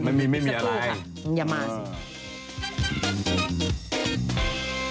ไม่มีสักครู่ค่ะอย่ามาสิไม่มีสักครู่ค่ะ